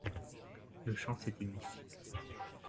Le chant s’éteignit.